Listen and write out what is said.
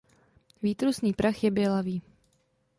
Výtrusný prach je bělavý.